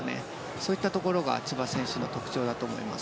そういったところが千葉選手の特徴だと思います。